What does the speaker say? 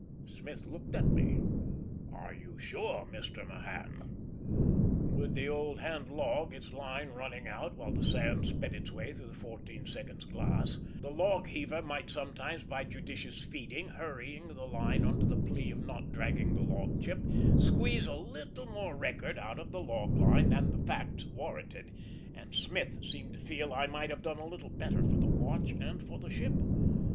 Smith looked at me. "Are you sure, Mr. Mahan?" With the old hand log, its line running out while the sand sped its way through the fourteen seconds glass, the log beaver might sometimes, by judicious "feeding" hurrying the line under the plea of not dragging the log chip squeeze a little more record out of the log line than the facts warranted; and Smith seemed to feel I might have done a little better for the watch and for the ship.